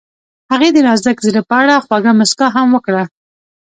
هغې د نازک زړه په اړه خوږه موسکا هم وکړه.